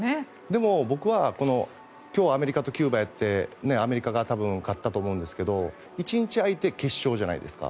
でも、僕は今日アメリカとキューバがやってアメリカが多分勝ったと思うんですけど１日空いて決勝じゃないですか。